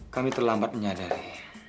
kami terlambat menyadari